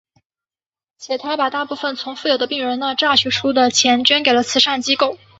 且他把大部分从富有的病人那榨取出的钱捐给了慈善机构。